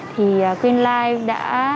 thì green life đã